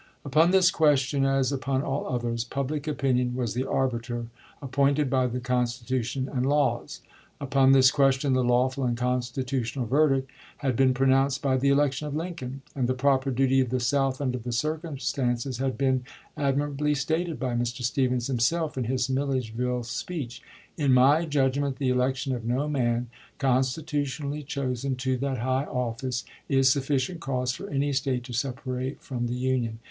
Upon this question, as upon all others, public opinion was the arbiter appointed by the Consti tution and laws. Upon this question the lawful and constitutional verdict had been pronounced by the election of Lincoln ; and the proper duty of the South under the circumstances had been ad mirably stated by Mr. Stephens himself in his Milledgeville speech :" In my judgment the elec tion of no man, constitutionally chosen to that high office, is sufficient cause for any State to sep , arate from the Union.